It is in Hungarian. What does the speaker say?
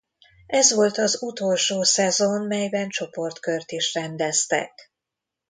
Ez volt az utolsó szezon melyben csoportkört is rendeztek.